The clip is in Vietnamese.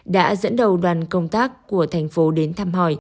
đã dẫn đầu đoàn công tác của thành phố đến thăm hỏi